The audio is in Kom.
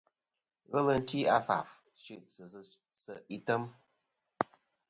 Ghelɨ ti a faf chitɨ sɨ se' item.